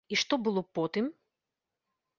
І што было потым?